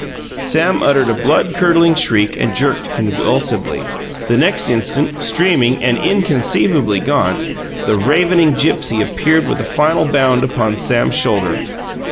Sam uttered a blood curdling shriek and jerked convulsively. The next instant, streaming and inconceivably gaunt, the ravening Gipsy appeared with a final bound upon Sam's shoulder.